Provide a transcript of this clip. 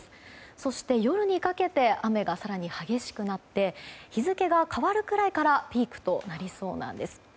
そして夜にかけて雨が更に激しくなって日付が変わるくらいからピークとなりそうなんです。